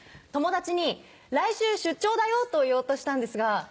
友達に「来週出張だよ」と言おうとしたんですが。